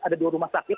ada dua rumah sakit